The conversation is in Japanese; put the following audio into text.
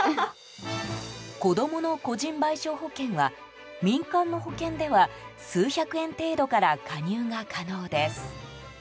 子供の個人賠償保険は民間の保険では数百円程度から加入が可能です。